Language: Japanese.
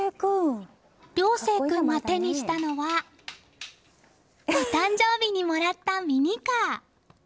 諒星君が手にしたのは誕生日にもらったミニカー。